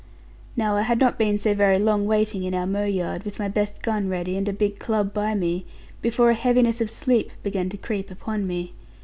Now I had not been so very long waiting in our mow yard, with my best gun ready, and a big club by me, before a heaviness of sleep began to creep upon me.